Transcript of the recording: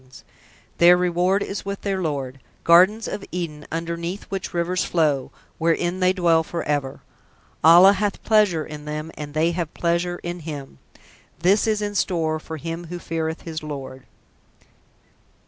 P: Their reward is with their Lord: Gardens of Eden underneath which rivers flow, wherein they dwell for ever. Allah hath pleasure in them and they have pleasure in Him. This is (in store) for him who feareth his Lord.